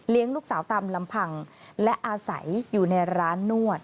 ลูกสาวตามลำพังและอาศัยอยู่ในร้านนวด